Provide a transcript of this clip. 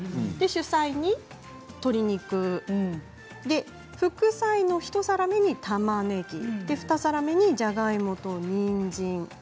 主菜に鶏肉副菜の一皿目に、たまねぎ二皿目にじゃがいもとにんじん。